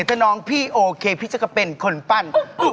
ถ้าน้องพี่โอเคพี่จักรเป็นคนปั้น